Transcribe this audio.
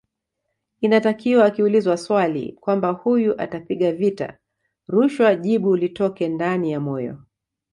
Inatakiwa ukiulizwa swali kwamba huyu atapiga vita rushwa jibu litoke ndani ya moyo